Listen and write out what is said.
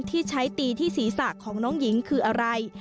ที่ใช้ตีที่ศีรษะของน้องหญิงคืออะไร